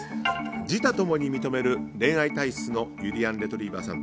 自他ともに認める恋愛体質のゆりやんレトリィバァさん。